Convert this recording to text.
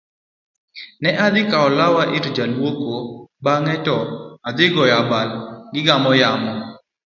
ne adhi kawo lawa ir jaluoko bang'e to adhi goyo abal gigamo yamo